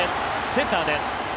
センターです。